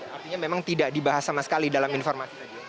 artinya memang tidak dibahas sama sekali dalam informasi tadi